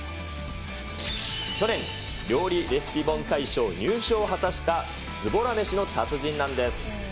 去年、料理レシピ本大賞入賞を果たしたズボラ飯の達人なんです。